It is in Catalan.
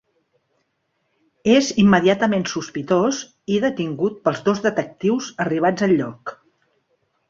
És immediatament sospitós i detingut pels dos detectius arribats al lloc.